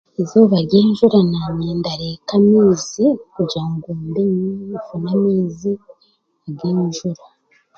Eizooba ry'enjura naanye ndareeka amaizi kugira ngu mbe nyine amaizi g'enjura.